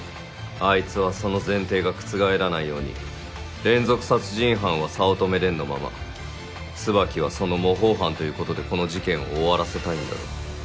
アイツはその前提が覆らないように連続殺人犯は早乙女蓮のまま椿はその模倣犯ということでこの事件を終わらせたいんだろう。